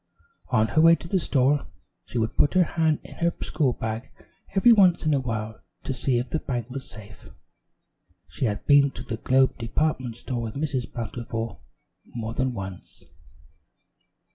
On her way to the store, she would put her hand in her school bag every once in a while to see if the bank was safe. She had been to the Globe Department Store with Mrs. Bountiful more than once.